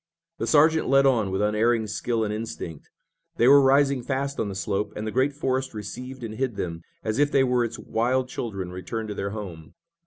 The sergeant led on with unerring skill and instinct. They were rising fast on the slope, and the great forest received and hid them as if they were its wild children returned to their home.